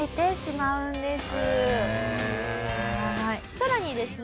さらにですね